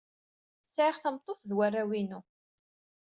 Sɛiɣ tameṭṭut ed warraw-inu.